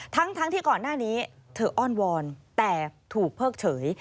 ทั้งที่ก่อนหน้านี้เธออ้อนวอนแต่ถูกเพิกเฉย